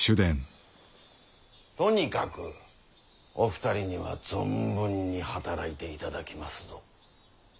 とにかくお二人には存分に働いていただきますぞ。